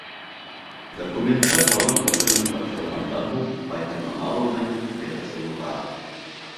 Документтар һалым органына тапшырылғандан һуң, ҡайтарманы алыуҙың ике ысулы бар.